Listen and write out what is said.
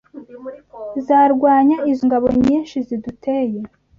zarwanya izo ngabo nyinshi ziduteye